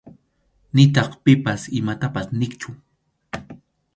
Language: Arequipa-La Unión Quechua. Nitaq pipas imatapas niqchu.